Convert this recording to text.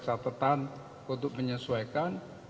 catetan untuk menyesuaikan